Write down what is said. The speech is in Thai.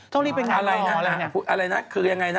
ต้องรีบเป็นอย่างไรหรออะไรอย่างนี้อะไรน่ะคือยังไงน่ะ